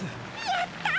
やった！